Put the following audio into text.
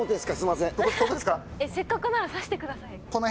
せっかくなら刺してくださいよ。